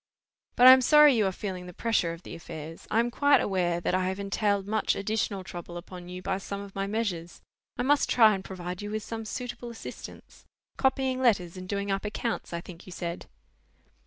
"But I am sorry you are feeling the pressure of the affairs: I am quite aware that I have entailed much additional trouble upon you by some of my measures: I must try and provide you with some suitable assistance. Copying letters and doing up accounts, I think you said?"